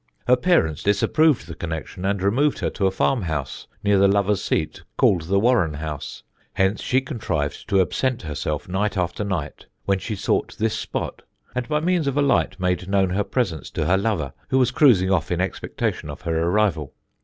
Her parents disapproved the connection and removed her to a farm house near the Lover's Seat, called the Warren house. Hence she contrived to absent herself night after night, when she sought this spot, and by means of a light made known her presence to her lover, who was cruising off in expectation of her arrival.